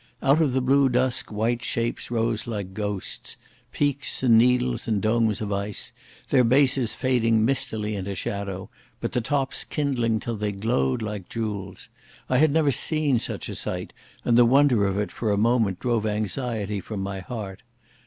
Out of the blue dusk white shapes rose like ghosts, peaks and needles and domes of ice, their bases fading mistily into shadow, but the tops kindling till they glowed like jewels. I had never seen such a sight, and the wonder of it for a moment drove anxiety from my heart.